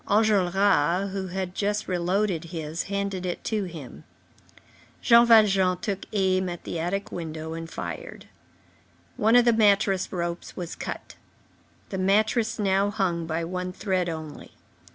Enjolras, who had just re loaded his, handed it to him. Jean Valjean took aim at the attic window and fired. One of the mattress ropes was cut. The mattress now hung by one thread only.